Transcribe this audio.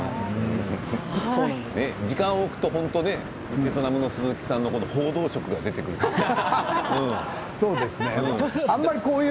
時間を置くとベトナムの鈴木さんの報道色が出てくる感じですね。